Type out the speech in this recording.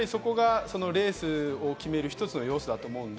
レースを決める一つの要素だと思います。